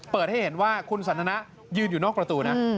เปิดให้เห็นว่าคุณสันทนายืนอยู่นอกประตูน่ะอืม